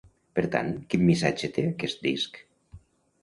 Per tant, quin missatge té aquest disc?